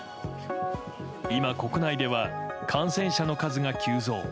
今、国内では感染者の数が急増。